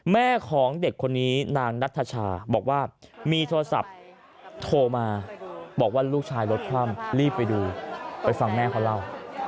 แม่ของเด็กคนนี้นางนัทชาบอกว่ามีโทรศัพท์โทรมาบอกว่าลูกชายรถคว่ำรีบไปดูไปฟังแม่เขาเล่า